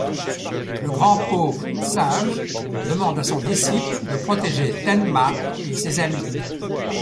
Le Grand Pope Sage demande à son disciple de protéger Tenma et ses amis.